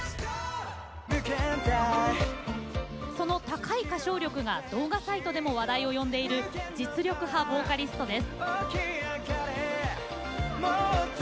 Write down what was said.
その高い歌唱力が動画サイトでも話題を呼んでいる実力派ボーカリストです。